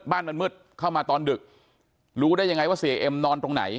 บ้านมันมืดเข้ามาตอนดึกรู้ได้ยังไงว่าเสียเอ็มนอนตรงไหน